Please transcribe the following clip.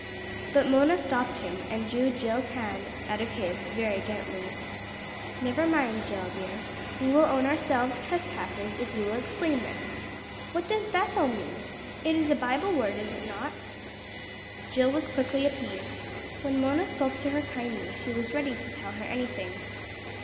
But Mona stopped him, and drew Jill's hand out of his very gently. "Never mind, Jill dear. We will own ourselves trespassers if you will explain this. What does 'Bethel' mean? It is a Bible word, is it not?" Jill was quickly appeased. When Mona spoke to her kindly she was ready to tell her anything.